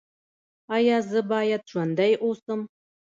ایا زه باید ژوندی اوسم؟